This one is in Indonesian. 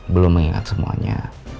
belum mengingat semuanya